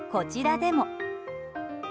こちらでも。